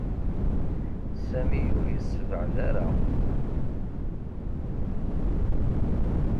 Sami ur yessebɛed ara.